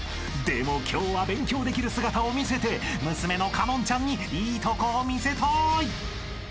でも今日は勉強できる姿を見せて娘の香音ちゃんにいいとこを見せたい］